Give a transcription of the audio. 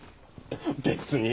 別に。